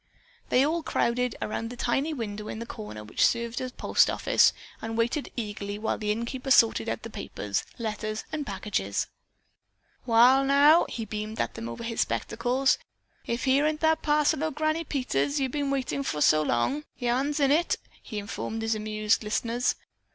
They all crowded around the tiny window in the corner which served as postoffice and waited eagerly while the innkeeper sorted out the papers, letters and packages. "Wall, now," he beamed at them over his spectacles, "if here ain't that parcel ol' Granny Peters been waitin' fer so long. Yarn's in it," he informed his amused listeners.